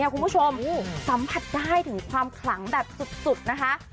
คุณผู้ชมสัมผัสได้ถึงความขลังแบบสุดนะคะ